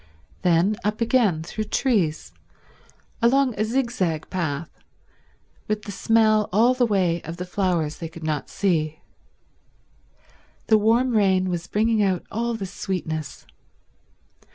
Then up again through trees, along a zigzag path with the smell all the way of the flowers they could not see. The warm rain was bringing out all the sweetness.